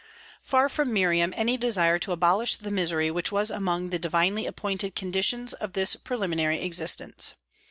Far from Miriam any desire to abolish the misery which was among the divinely appointed conditions of this preliminary existence.